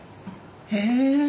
へえ。